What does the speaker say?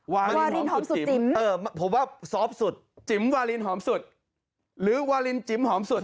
วาลินหอมสุดจิ๋มเออผมว่าซอฟต์สุดจิ๋มวาลินหอมสุดหรือวาลินจิ๋มหอมสุด